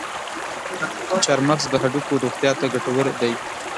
چارمغز د هډوکو روغتیا ته ګټور دی.